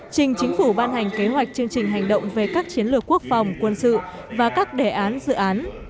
trình chính phủ ban hành kế hoạch chương trình hành động về các chiến lược quốc phòng quân sự và các đề án dự án